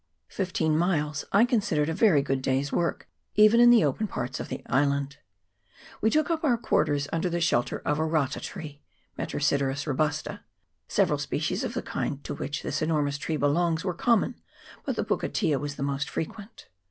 Fifteen miles I considered a very good day's work, even in the open parts of the island. We took up our quarters under the shelter of a rata tree. 2 Seve ral species of the kind to which this enormous tree belongs were common ; but the pukatea was the most frequent.